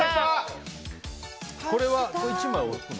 これは１枚置くの？